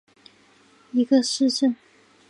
齐梅茨豪森是德国巴伐利亚州的一个市镇。